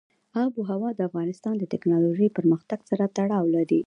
آب وهوا د افغانستان د تکنالوژۍ پرمختګ سره تړاو لري.